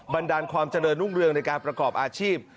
บรรดาลความเจริญรุ่งเรืองในการประกอบอาชีพ